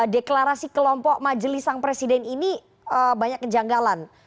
deklarasi kelompok majelis sang presiden ini banyak kejanggalan